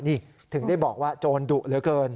นี่ถึงได้บอกว่าโจรดุเหลือเกิน